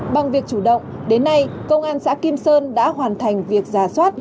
bằng việc chủ động đến nay công an xã kim sơn đã hoàn thành việc giả soát